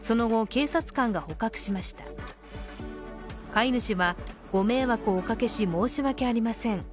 飼い主は、ご迷惑をおかけし申し訳ありません。